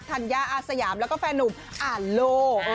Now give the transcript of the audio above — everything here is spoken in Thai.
ธรรยาอาสยามและแฟนหนุ่มอาโล